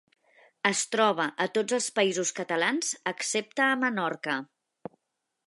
Es troba a tots els Països Catalans excepte a Menorca.